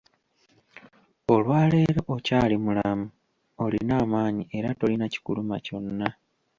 Olwaleero okyali mulamu, olina amaanyi era tolina kikuluma kyonna.